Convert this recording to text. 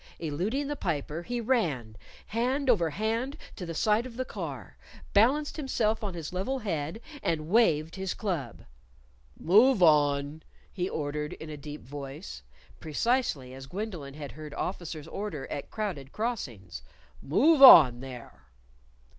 Eluding the Piper, he ran, hand over hand, to the side of the car, balanced himself on his level head, and waved his club. "Move on!" he ordered in a deep voice (precisely as Gwendolyn had heard officers order at crowded crossings); "move on, there!"